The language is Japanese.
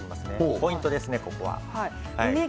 ポイントですね、ここは。